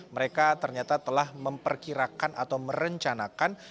mereka ternyata telah memperkirakan atau merencanakan